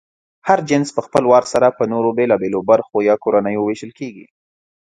هر جنس پهخپل وار سره په نورو بېلابېلو برخو یا کورنیو وېشل کېږي.